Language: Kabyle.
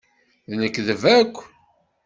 D lekdeb akk.